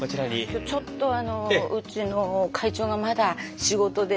今日ちょっとあのうちの会長がまだ仕事で。